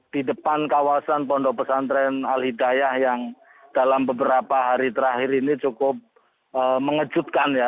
di depan kawasan pondok pesantren al hidayah yang dalam beberapa hari terakhir ini cukup mengejutkan ya